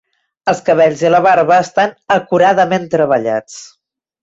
Els cabells i la barba estan acuradament treballats.